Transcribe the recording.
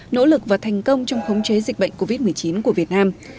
nỗ lực và thành công trong khống chế dịch bệnh covid một mươi chín của việt nam